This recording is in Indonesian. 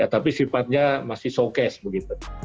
tapi sifatnya masih showcase begitu